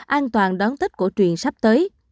an toàn đón tết cổ truyền sắp tới